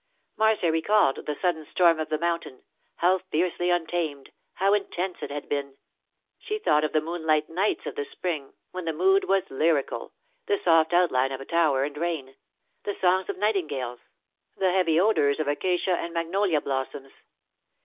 Marcia recalled the sudden storm of the mountain, how fiercely untamed, how intense it had been; she thought of the moonlight nights of the spring, when the mood was lyrical—the soft outline of tower and rain, the songs of nightingales, the heavy odours of acacia and magnolia blossoms.